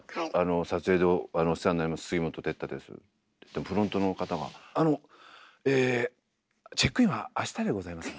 「撮影でお世話になります杉本哲太です」って言ってもフロントの方が「あのえチェックインはあしたでございます」。